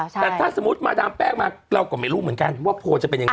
แต่ถ้าสมมุติมาดามแป้งมาเราก็ไม่รู้เหมือนกันว่าโพลจะเป็นยังไง